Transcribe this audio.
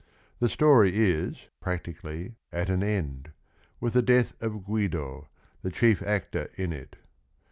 The story is, practically, at an end, with the death of Guido, the chief actor in it.